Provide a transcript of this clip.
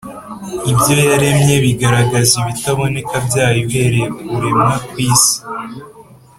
” “ibyo yaremye” bigaragaza “ibitaboneka byayo uhereye ku kuremwa kw’isi,”